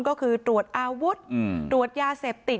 ก็คือตรวจอาวุธตรวจยาเสพติด